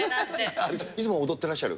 いつも踊ってらっしゃる？